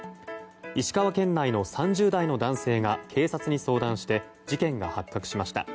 石川県内の３０代の男性が警察に相談して事件が発覚しました。